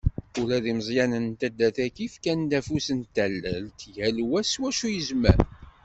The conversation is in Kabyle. Ula d ilmeẓyen n taddart-agi, fkan-d afus n tallelt, yal wa s wacu i yezmer.